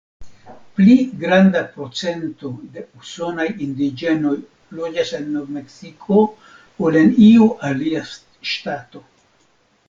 Pli granda procento de usonaj indiĝenoj loĝas en Nov-Meksiko ol en iu alia ŝtato.